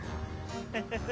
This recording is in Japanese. フフフ。